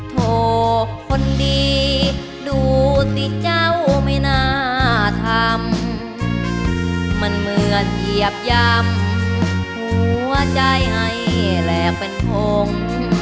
โทษคนดีดูสิเจ้าไม่น่าทำมันเหมือนเหยียบยำหัวใจให้แหลกเป็นพง